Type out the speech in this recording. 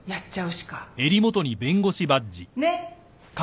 ねっ？